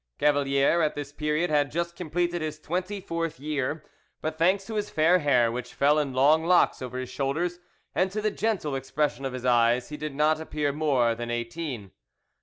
Cavalier at this period had just completed his twenty fourth year, but, thanks to his fair hair which fell in long locks over his shoulders, and to the gentle expression of his eyes he did not appear more than eighteen.